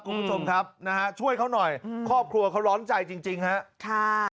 คุณผู้ชมครับนะฮะช่วยเขาหน่อยครอบครัวเขาร้อนใจจริงฮะค่ะ